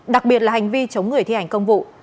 đặc biệt là hành vi chống người thi hành công vụ